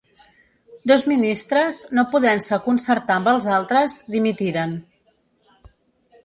Dos ministres, no podent-se concertar amb els altres, dimitiren.